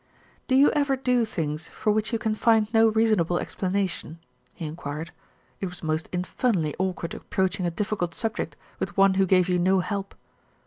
"Do you ever do things for which you can find no reasonable explanation?" he enquired. It was most infernally awkward approaching a difficult subject with one who gave you no help.